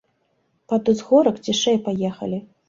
Пад узгорак цішэй паехалі.